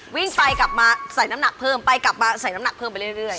วิ่งไปกลับมาใส่น้ำหนักเพิ่มไปกลับมาใส่น้ำหนักเพิ่มไปเรื่อย